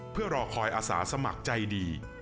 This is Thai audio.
เพื่อรอคอยอาสาสมัครใจดี